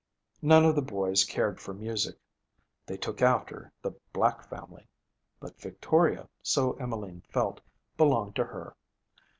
None of the boys cared for music. They 'took after' the Black family. But Victoria, so Emmeline felt, belonged to her.